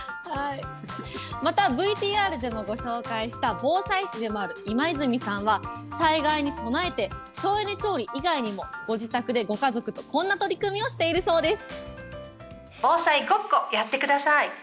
また、ＶＴＲでもご紹介した防災士でもある今泉さんは、災害に備えて、省エネ調理以外にも、ご自宅でご家族とこんな取り組みをしているそうです。